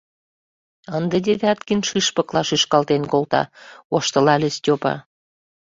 — Ынде Девяткин шӱшпыкла шӱшкалтен колта, — воштылале Степа.